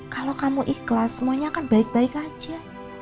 kalau kamu ikhlas semuanya akan baik baik aja